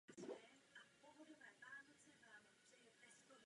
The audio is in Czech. Byl i členem tamního okresního zastupitelstva.